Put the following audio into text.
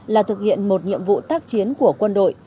là thực hiện một nhiệm vụ tác chiến của quân đội